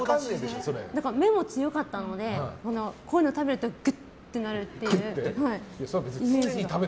目も強かったのでこういうの食べるとぐっとなるって。